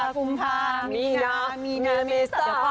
มวลมกรคุมภาพที่นามีนาเมตทรา